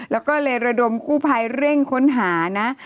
แล้วก็เลยระดมกู้ภัยเร่งค้นหานะ